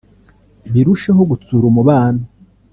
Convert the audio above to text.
birusheho gutsura umubano